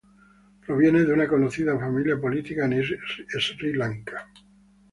Proviene de una conocida familia política en Sri Lanka.